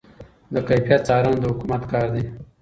د کیفیت څارنه د حکومت کار دی.